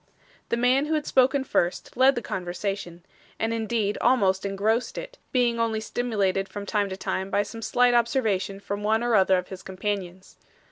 The man who had spoken first, led the conversation, and indeed almost engrossed it, being only stimulated from time to time by some slight observation from one or other of his companions.